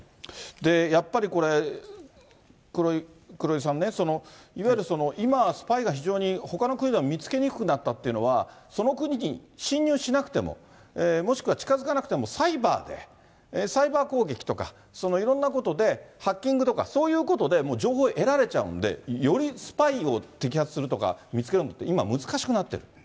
やっぱりこれ、黒井さんね、いわゆる今、スパイが非常にほかの国でも見つけにくくなったというのは、その国に侵入しなくても、もしくは近づかなくてもサイバーで、サイバー攻撃とか、そのいろんなことでハッキングとか、そういうことでもう情報を得られちゃうんで、よりスパイを摘発するとか見つけるのって、今、難しくなってる。